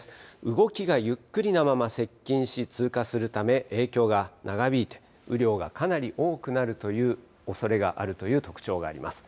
動きがゆっくりなまま接近し通過するため影響が長引いて雨量がかなり多くなるというおそれがあるという特徴があります。